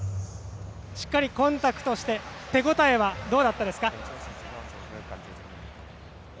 しっかりコンタクトして手応えはどうだったですか。